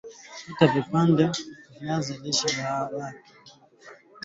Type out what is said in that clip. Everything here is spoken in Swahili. kata vipande viazi lishe vyako